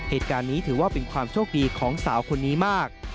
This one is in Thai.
เหตุการณ์นี้ถือว่าเป็นความโชคดีของสาวคนนี้มาก